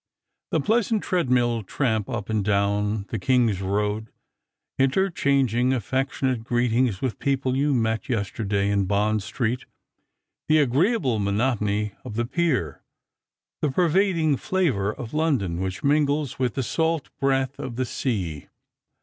The pleasant treadmill tramp up and down the King's road, inter changing affectionate greetings with people you met yesterday in Bond street; the agreeable monotony of the pier; the per vading flavour of l^ondon which mingles \iith the salt breath of the sea.